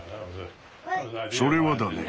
それはだね